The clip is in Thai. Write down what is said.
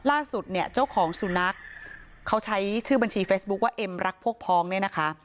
ล่าสุดเนี่ยเจ้าของสุนัขเขาใช้ชื่อบัญชีเฟซบุ๊คว่าเอ็มรักพวกพ้องเนี่ยนะคะ